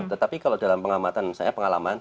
tetapi kalau dalam pengalaman saya